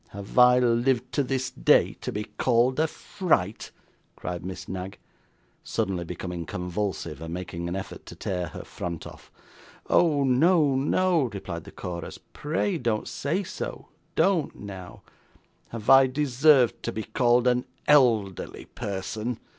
'Have I lived to this day to be called a fright!' cried Miss Knag, suddenly becoming convulsive, and making an effort to tear her front off. 'Oh no, no,' replied the chorus, 'pray don't say so; don't now!' 'Have I deserved to be called an elderly person?